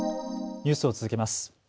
ニュースを続けます。